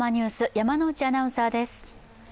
山内アナウンサーです。